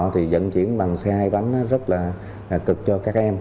thì dẫn chuyển bằng xe hai bánh rất là cực cho các em